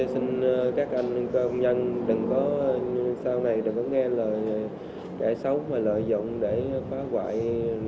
xin hãy đừng có bạo động theo những lời người ta kêu gọi